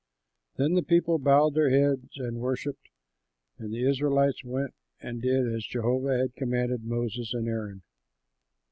'" Then the people bowed their heads and worshipped; and the Israelites went and did as Jehovah had commanded Moses and Aaron.